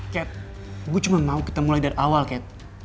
kat gue cuman mau kita mulai dari awal kat